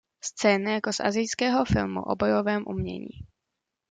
Scéna jako z asijského filmu o bojovém umění.